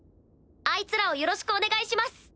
あいつらをよろしくお願いします。